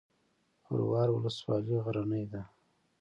خروار ولسوالۍ غرنۍ ده؟